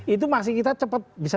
itu maksud kita cepat